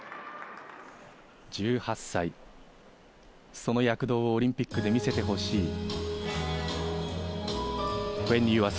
１８歳、その躍動をオリンピックで見せてほしい。